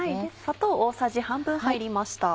砂糖大さじ半分入りました。